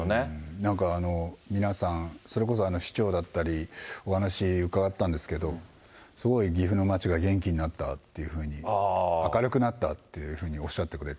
なんか、皆さん、それこそ市長だったり、お話伺ったんですけど、すごい岐阜の街が元気になったっていうふうに、明るくなったっていうふうにおっしゃっていただいて。